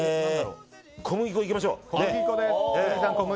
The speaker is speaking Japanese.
小麦粉でいきましょう。